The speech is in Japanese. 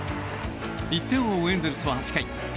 １点を追うエンゼルスは８回。